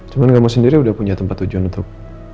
cuma kamu sendiri udah punya tempat tujuan untuk